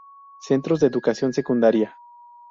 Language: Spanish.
Centros de educación secundaria.